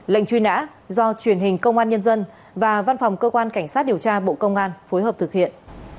lệnh truy nã do truyền hình công an nhân dân và văn phòng cơ quan cảnh sát điều tra bộ công an phối hợp thực hiện